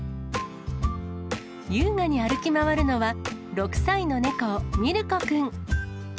優雅に歩き回るのは、６歳の猫、ミルコくん。